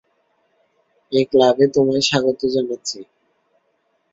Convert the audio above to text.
এই ক্লাবে তোমায় স্বাগত জানাচ্ছি!